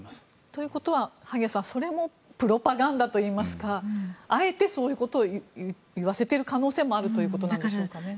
ということは萩谷さんそれもプロパガンダといいますかあえてそういうことを言わせている可能性もあるということでしょうかね。